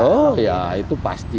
oh ya itu pasti